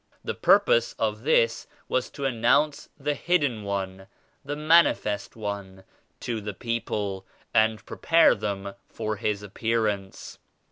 The purpose of this was to announce the ^Hidden One,' the ^Manifest One' to the people and prepare them for His Appearance.